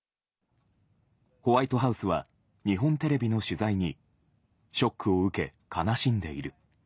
ホワイトハウスは日本テレビの取材に、ショックを受け、悲しんでいる。